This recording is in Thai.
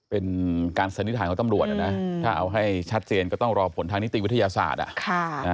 เป็นการสันนิษฐานของตำรวจนะถ้าเอาให้ชัดเจนก็ต้องรอผลทางนิติวิทยาศาสตร์